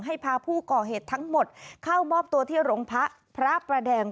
พาผู้ก่อเหตุทั้งหมดเข้ามอบตัวที่โรงพักพระประแดง